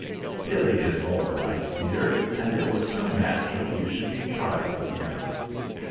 "Billy is all right, dear; and it was so natural you should be tried with him!